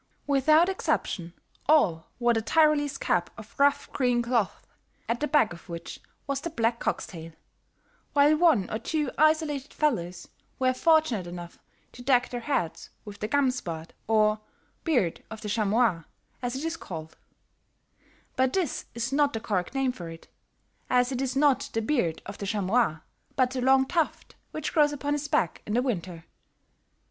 Without exception, all wore the Tyrolese cap of rough green cloth, at the back of which was the black cock's tail, while one or two isolated fellows were fortunate enough to deck their hats with the Gamsbart or Beard of the Chamois, as it is called; but this is not the correct name for it, as it is not the beard of the chamois but the long tuft which grows upon his back in the winter.